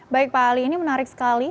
baik pak ali ini menarik sekali